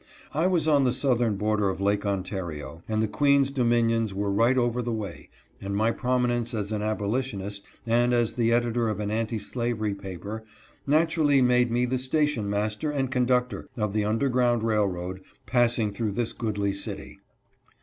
I was on the southern border of Lake Ontario, and the Queen's dominions were right over the way — and my prominence as an abolitionist, and as the editor of an anti slavery paper, naturally made me the station master and conductor of the underground railroad passing through this goodly city.